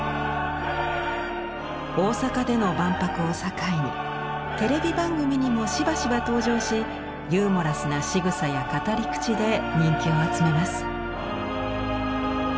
大阪での万博を境にテレビ番組にもしばしば登場しユーモラスなしぐさや語り口で人気を集めます。